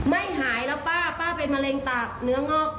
ไม่หายแล้วป้าป้าเป็นมะเร็งตากเนื้องอก